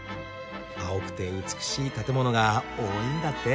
青くて美しい建物が多いんだって。